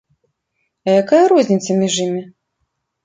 А якая розніца між імі?